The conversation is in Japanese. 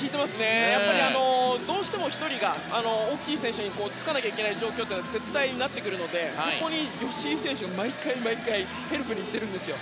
やっぱりどうしても１人が大きい選手につかなきゃいけない状況には絶対なってくるのでそこに吉井選手が毎回、毎回ヘルプに行っているんですよ。